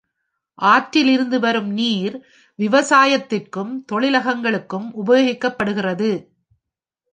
ஆற்றிலிருந்து வரும் நீர் விவசாயத்திற்கும் தொழிலகங்களுக்கு உபயோகப்படுகிறது.